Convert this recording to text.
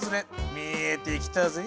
見えてきたぜ。